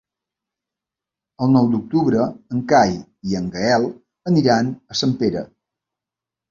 El nou d'octubre en Cai i en Gaël aniran a Sempere.